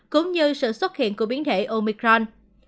cũng như sự xuất hiện của biến thể omicron